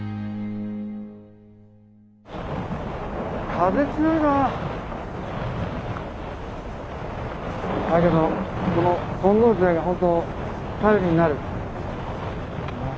風強いな。だけどこの金剛杖が本当頼りになる。